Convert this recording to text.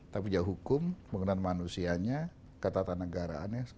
tapi juga hukum penggunaan manusianya ketatanegaraannya